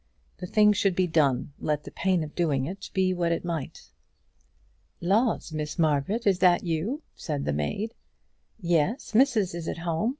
The thing should be done, let the pain of doing it be what it might. "Laws, Miss Margaret! is that you?" said the maid. "Yes, missus is at home.